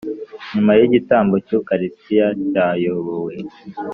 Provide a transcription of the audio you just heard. nyuma y’igitambo cy’ukaristiya cyayobowe